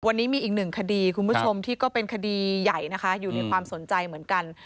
วันนี้มีอีกหนึ่งคดีคุณผู้ชมที่ก็เป็นคดีใหญ่นะคะอยู่ในความสนใจเหมือนกัน